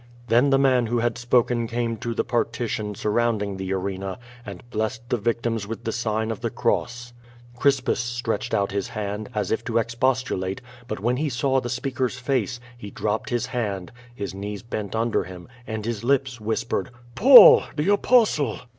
Then the man who had spoken came to the partition sur rounding the arena, and blessed the victims with the sign of the cross. Crispus stretched out his hand, as if to expostulate, but when lie saw the speaker's face, he dropped his hand, his knees bent under him, and his lips whispered: "Paul, the Apostle!"